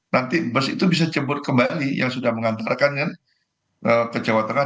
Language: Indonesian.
nanti bus itu bisa jemput kembali yang sudah mengantarkan kan ke jawa tengah